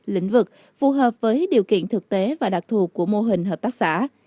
lĩnh vực phù hợp với điều kiện thực tế và đặc thù của mô hình hợp tác xã